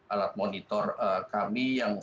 alat monitor kami yang